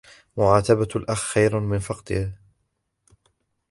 مُعَاتَبَةُ الْأَخِ خَيْرٌ مِنْ فَقْدِهِ